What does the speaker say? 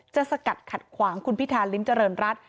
สกัดขัดขวางคุณพิธาริมเจริญรัฐ